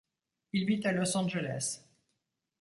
Il vit à Los Angeles.